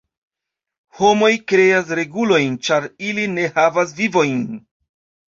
Homoj kreas regulojn ĉar ili ne havas vivojn.